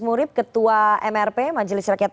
murib ketua mrp majelis rakyat